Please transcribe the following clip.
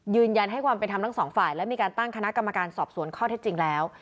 ยืนยันให้ความเป็นธรรมทั้งสองฝ่ายและมีการตั้งคณะกรรมการสอบสวนข้อเท็จจริงแล้ว